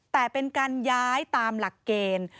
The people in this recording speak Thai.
แต่เป็นการย้ายตามหลักเกณฑ์